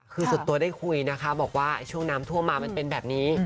คือส่วนตัวได้คุยนะคะบอกว่าช่วงน้ำท่วมมามันเป็นแบบนี้